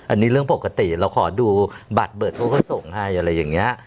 อันนี้เรื่องปกติเราขอดูบัตรเบิดเขาก็ส่งให้อะไรอย่างนี้